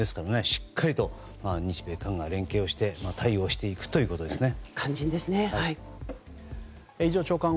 しっかり日米韓が連携して対応していくということですね。